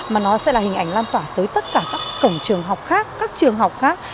mà nó sẽ là hình ảnh lan tỏa tới tất cả các cổng trường học khác các trường học khác